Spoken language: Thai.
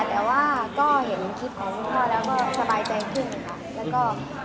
ยังไม่เคยค่ะแต่เห็นคนนึงคลิปของคุณพ่อแล้วสบายใจขึ้น